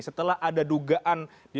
setelah ada dugaan